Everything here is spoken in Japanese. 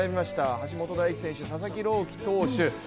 橋本大輝選手、佐々木朗希投手